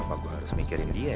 apa gue harus mikirin dia ya